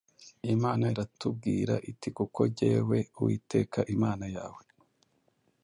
Imana iratubwira iti Kuko jyewe Uwiteka Imana yawe